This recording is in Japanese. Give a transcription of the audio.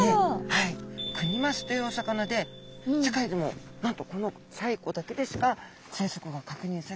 はいクニマスというお魚で世界でもなんとこの西湖だけでしか生息が確認されていません。